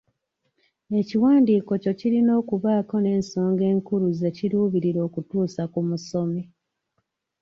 Ekiwandiiko kyo kirina okubaako n'ensonga enkulu ze kiruubiirira okutuusa ku omusomi